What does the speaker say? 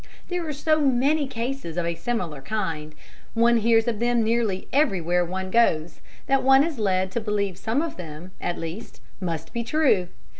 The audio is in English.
There are so many cases of a similar kind one hears of them nearly everywhere one goes that one is led to believe some of them, at least, must be true.